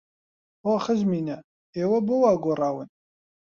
هۆ خزمینە، ئێوە بۆ وا گۆڕاون!